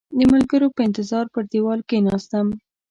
د ملګرو په انتظار پر دېوال کېناستم.